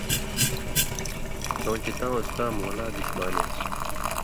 کؤں چےۡ تاں اُستا مھولا دِش بانیان٘س